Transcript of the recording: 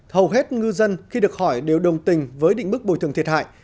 hầu hết ngư dân khi được hỏi đều đồng tình với định mức bồi thường thiệt hại